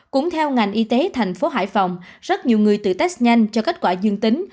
cũng theo ngành y tế thành phố hải phòng rất nhiều người tự test nhanh cho kết quả dương tính